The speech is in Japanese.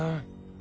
あ。